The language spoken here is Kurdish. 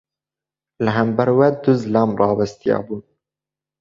Li hember wê du zilam rawestiyabûn.